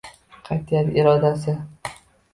Qatʼiyati, irodasi.